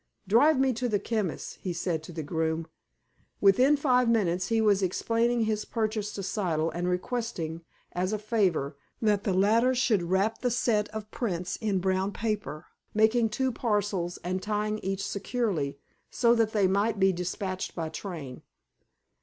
"Drive me to the chemist's" he said to the groom; within five minutes, he was explaining his purchase to Siddle, and requesting, as a favor, that the latter should wrap the set of prints in brown paper, making two parcels, and tying each securely, so that they might be dispatched by train.